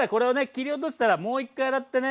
切り落としたらもう一回洗ってね